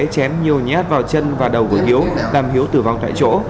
chém nhiều nhát vào chân và đầu của hiếu làm hiếu tử vong tại chỗ